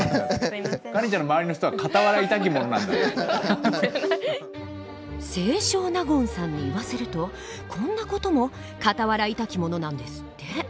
カレンちゃんの周りの人は清少納言さんに言わせるとこんな事もかたはらいたきものなんですって。